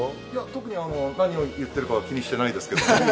特に何言ってるかは気にしてないですけど。